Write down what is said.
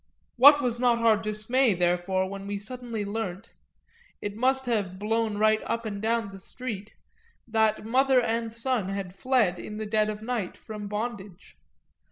What was not our dismay therefore when we suddenly learnt it must have blown right up and down the street that mother and son had fled, in the dead of night, from bondage?